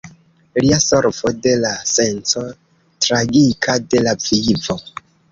Lia solvo: "De la senco tragika de la vivo".